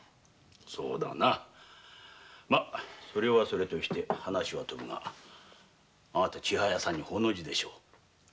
そうだなまそれはそれとして話はとぶがあなた千早さんにホの字でしょ。